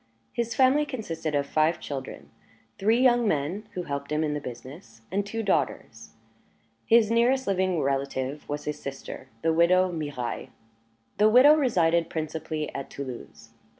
His family consisted of five children three young men, who helped him in the business, and two daughters. His nearest living relative was his sister, the widow Mirailhe. The widow resided principally at Toulouse.